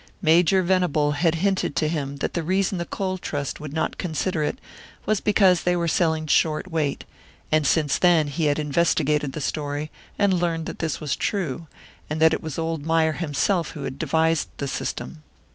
Major Venable had hinted to him that the reason the Coal Trust would not consider it, was because they were selling short weight; and since then he had investigated the story, and learned that this was true, and that it was old Mayer himself who had devised the system.